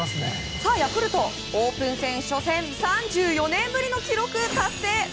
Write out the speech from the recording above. ヤクルト、オープン戦初戦３４年ぶりの記録達成！